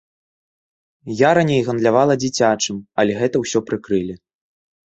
Я раней гандлявала дзіцячым, але гэта ўсё прыкрылі.